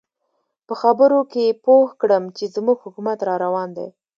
په خبرو کې یې پوه کړم چې زموږ حکومت را روان دی.